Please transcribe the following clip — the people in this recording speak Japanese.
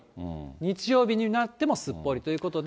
日曜日になってもすっぽりということで。